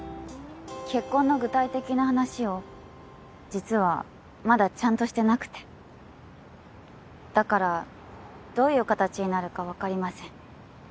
結婚の具体的な話を実はまだちゃんとしてなくてだからどういう形になるか分かりません